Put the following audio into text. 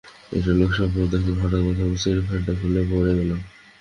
একটা লোক স্বপ্ন দেখল, হঠাৎ মাথার উপর সিলিং ফ্যানটা খুলে পড়ে গেল।